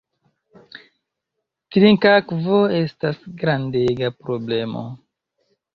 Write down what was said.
Trinkakvo estas grandega problemo.